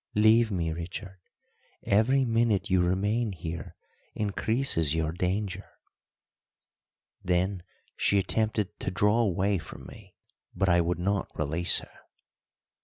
Leave me, Richard; every minute you remain here increases your danger." Then she attempted to draw away from me, but I would not release her.